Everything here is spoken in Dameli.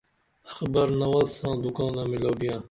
اخبر نواز ساں دوکانہ میلو بیاں